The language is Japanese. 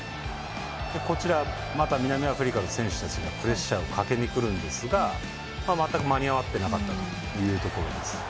こちらも南アフリカの選手たちがプレッシャーをかけにくるんですが全く間に合ってなかったんです。